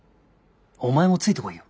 お前もついてこいよ。